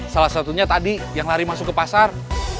salah satunya tadi yang lari masuk ke pasar